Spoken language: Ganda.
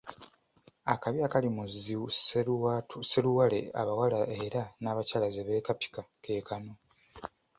Akabi akali mu zi sseluwale abawala era n’abakyala zebeekapika keekano